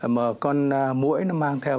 mà con mũi nó mang theo